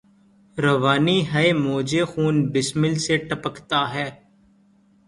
روانی ہاۓ موج خون بسمل سے ٹپکتا ہے